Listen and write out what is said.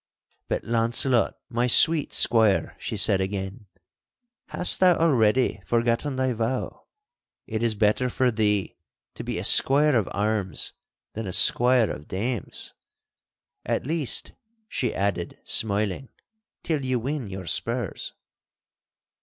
'But, Launcelot, my sweet squire,' she said again, 'hast thou already forgotten thy vow? It is better for thee to be a squire of arms than a squire of dames! At least,' she added, smiling, 'till you win your spurs.